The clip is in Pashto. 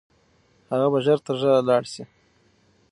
هغه به ژر تر ژره لاړ سي.